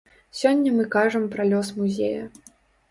Сёння мы кажам пра лёс музея.